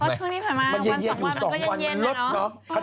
เพราะช่วงนี้ผ่านมาวัน๒วันมันก็เย็นแล้วเนอะ